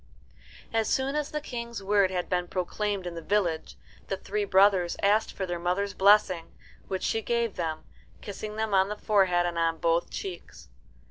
As soon as the King's word had been proclaimed in the village, the three brothers asked for their mother's blessing, which she gave them, kissing them on the forehead and on both cheeks.